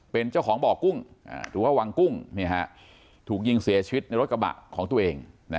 เป็นเจ้าของบ่อกุ้งหรือว่าวังกุ้งถูกยิงเสียชีวิตในรถกระบะของตัวเอง